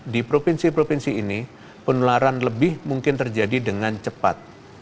di provinsi provinsi ini penularan lebih mungkin terjadi dengan cepat